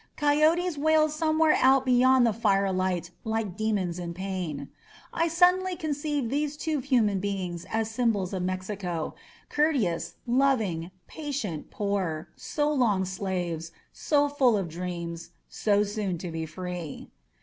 Coyotes wailed somewhere out beyond the firelight like demons in pain. I suddenly conceived these two human beings as sym bols of Mexico — courteous, loving, patient, poor, so long slaves, so full of dreams, so soon to be free.